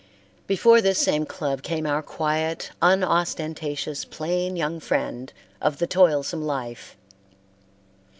Before this same club came our quiet, unostentatious, plain young friend of the toilsome life.